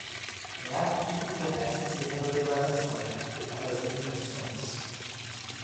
É aqui que começa a segunda declaração, a das intenções.